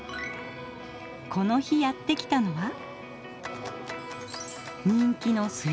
この日やって来たのは。